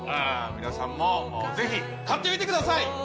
皆さんもぜひ買ってみてください！